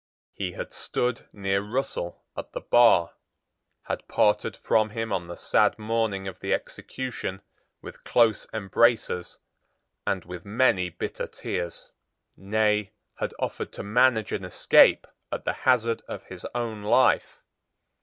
He had stood near Russell at the bar, had parted from him on the sad morning of the execution with close embraces and with many bitter tears, nay, had offered to manage an escape at the hazard of his own life.